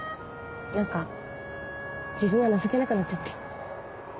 何か自分が情けなくなっちゃって。